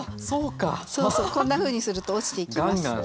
そうそうこんなふうにすると落ちていきます。